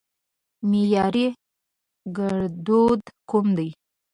معياري ګړدود کوم دي؟